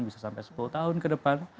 bisa sampai sepuluh tahun ke depan